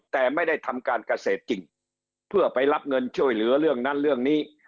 แต่ไม่ได้ทำการเกษตรจริงเพื่อไปรับเงินช่วยเหลือเรื่องนั้นเรื่องนี้